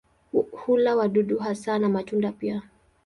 Hula wadudu hasa na matunda pia.